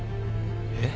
えっ？